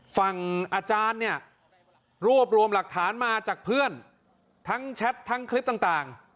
ฝั่งอาจารย์เนี่ยรวบรวมหลักฐานมาจากเพื่อนทั้งแชททั้งคลิปต่าง